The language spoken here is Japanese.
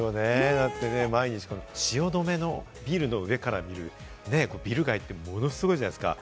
だってね、毎日、汐留のビルの上から見るビル街ってものすごいじゃないですか。